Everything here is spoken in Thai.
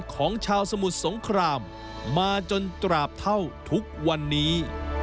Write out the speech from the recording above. ของชาวสมุทรสงครามมาจนตราบเท่าทุกวันนี้